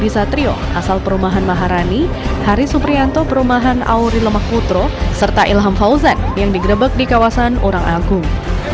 satrio asal perumahan maharani hari suprianto perumahan auri lemah putro serta ilham fauzan yang digerebek di kawasan urang agung